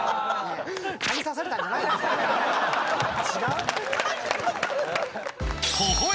違う？